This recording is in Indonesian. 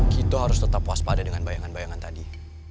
kita harus tetap waspada dengan bayangan bayangan tadi